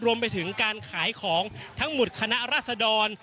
รวมไปถึงการขายของทั้งหมดคณะราษดร